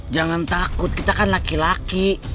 jangan takut kita kan laki laki